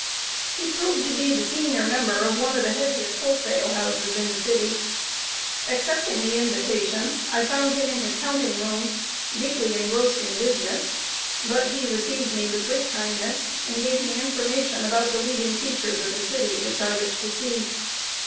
He proved to be the senior member of one of the heaviest wholesale houses in the city. Accepting the invitation, I found him in his counting room, deeply engrossed in business; but he received me with great kindness, and gave me information about the leading features of the city which I wished to see.